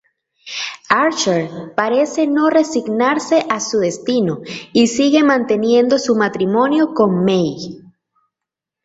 Archer parece no resignarse a su destino y sigue manteniendo su matrimonio con May.